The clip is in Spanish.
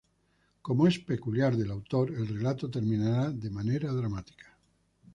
Como es peculiar del autor, el relato terminará de manera dramática.